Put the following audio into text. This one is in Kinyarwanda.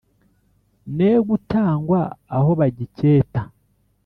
Negutangwa aho bagiketa